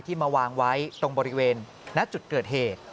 มาวางไว้ตรงบริเวณณจุดเกิดเหตุ